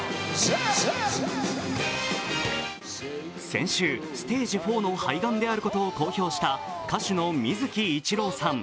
先週、ステージ４の肺がんであることを公表した歌手の水木一郎さん。